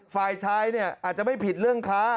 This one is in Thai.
ฝ่ายชายเนี่ยอาจจะไม่ผิดเรื่องค้า